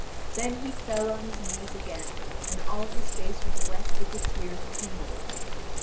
Then he fell on his knees again, and all his face was wet with the tears of humility.